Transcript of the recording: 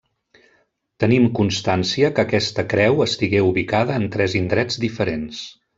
Tenim constància que aquesta creu estigué ubicada en tres indrets diferents.